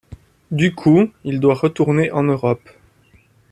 Du coup, il doit retourner en Europe.